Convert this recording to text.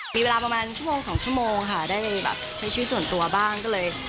มีเวลาประมาณชั่วโมงสองชั่วโมงค่ะได้แบบใช้ชีวิตส่วนตัวบ้างก็เลย